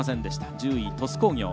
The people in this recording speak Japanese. １０位、鳥栖工業。